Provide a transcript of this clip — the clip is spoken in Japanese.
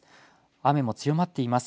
雨も強まっています。